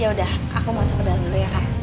yaudah aku masuk ke dalam dulu ya kak